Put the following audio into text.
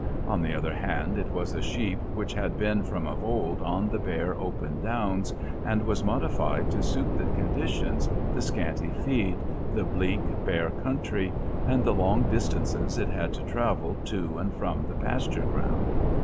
On the other hand it was a sheep which had been from of old on the bare open downs and was modified to suit the conditions, the scanty feed, the bleak, bare country, and the long distances it had to travel to and from the pasture ground.